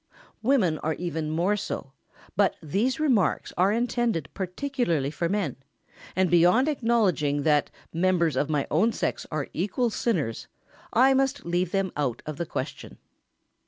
Women are even more so, but these remarks are intended particularly for men, and beyond acknowledging that members of my own sex are equal sinners, I must leave them out of the question.